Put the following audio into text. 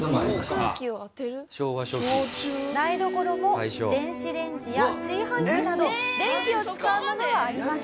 台所も電子レンジや炊飯器など電気を使うものはありません。